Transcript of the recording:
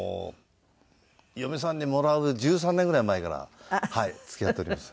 嫁さんにもらう１３年ぐらい前から付き合っております。